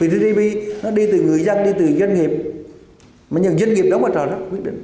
vì gdp nó đi từ người dân đi từ doanh nghiệp mà nhân doanh nghiệp đóng vào trò đó quyết định